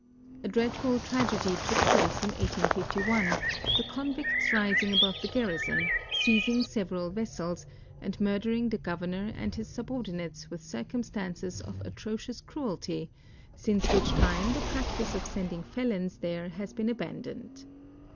A dreadful traj^edy took place in l.Sr>l, the eonvictH rising upon the {garrison, seizinfr several vessels, and murdering' the gcn ernor and his subordinates with cireumstanejfs of atro cious cruelty, since which time the practice of sending felons here has been aljan<lr)ne'l.